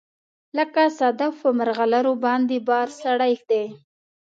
لکه صدف په مرغلروباندې بار سړی دی